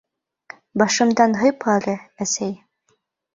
— Башымдан һыйпа әле, әсәй.